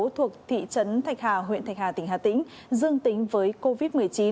thuộc thị trấn thạch hà huyện thạch hà tỉnh hà tĩnh dương tính với covid một mươi chín